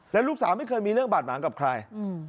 และลูกสาวไม่เคยมีเรื่องบาดหมางกับใคร